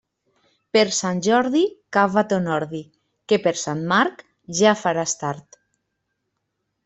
Per Sant Jordi, cava ton ordi, que per Sant Marc ja faràs tard.